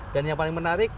dan yang paling menarik